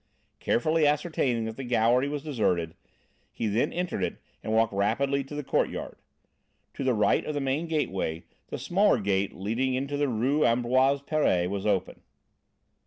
Carefully ascertaining that the gallery was deserted, he then entered it and walked rapidly to the courtyard. To the right of the main gateway, the smaller gate leading into the Rue Ambroise Paré was open.